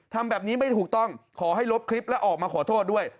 ทำแบบนี้ไม่ถูกต้องขอให้ลบคลิปและออกมาขอโทษด้วย